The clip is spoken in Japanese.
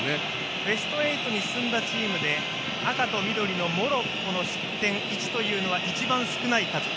ベスト８に進んだチームで赤と緑のモロッコの失点１というのは一番少ない数。